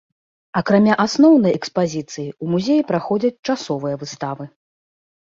Акрамя асноўнай экспазіцыі ў музеі праходзяць часовыя выставы.